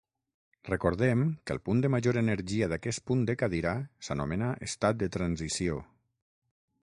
Recordem que el punt de major energia d'aquest punt de cadira s'anomena estat de transició.